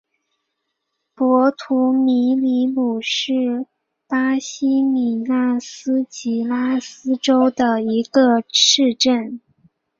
博图米里姆是巴西米纳斯吉拉斯州的一个市镇。